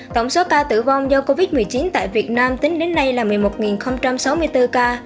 tổng số ca tử vong do covid một mươi chín tại việt nam tính đến nay là một mươi một sáu mươi bốn ca